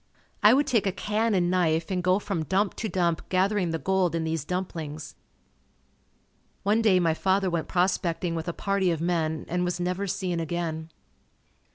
I would take a can and knife and go from dump to dump gathering the gold in these dumplings. One day my father went prospecting with a party of men and was never seen again.